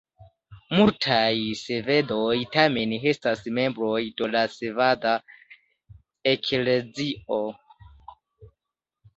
Multaj svedoj tamen restas membroj de la sveda Eklezio.